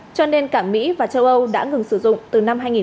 cho nên cả mỹ và châu âu đã ngừng sử dụng từ năm hai nghìn một mươi